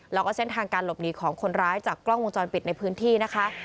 แล้วก็เส้นทางการหลบหนีของคนร้ายจากกล้องวงจรปิดในพื้นที่นะคะ